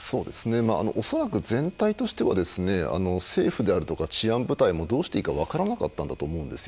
恐らく全体としては政府であるとか治安部隊もどうしていいか分からなかったんだと思うんです。